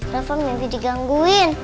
rafa mimpi digangguin